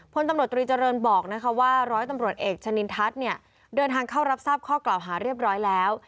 พลตำรวจตรีเจริญบอกว่าร้อยตำรวจเอกชะนินทัศน์เนี่ยเดินทางเข้ารับทราบข้อกล่าวหาเรียบร้อยแล้ว